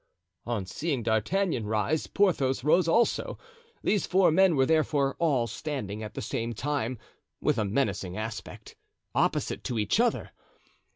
On seeing D'Artagnan rise, Porthos rose also; these four men were therefore all standing at the same time, with a menacing aspect, opposite to each other.